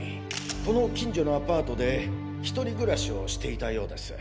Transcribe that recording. この近所のアパートで独り暮らしをしていたようです。